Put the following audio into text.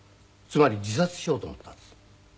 つまり自殺しようと思ったんです。